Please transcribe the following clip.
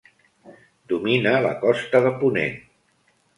Domina la costa de Ponent.